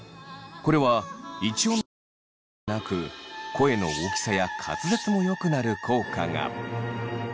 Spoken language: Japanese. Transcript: これは一音の長さだけでなく声の大きさや滑舌もよくなる効果が。